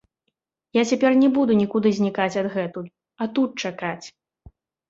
Я цяпер не буду нікуды знікаць адгэтуль, а тут чакаць.